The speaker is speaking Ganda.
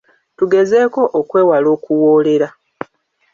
Tugezeeko okwewala okuwoolera.